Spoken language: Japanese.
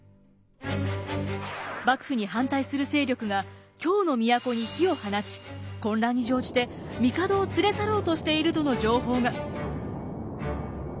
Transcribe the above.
幕府に反対する勢力が京の都に火を放ち混乱に乗じて帝を連れ去ろうとしているとの情報が。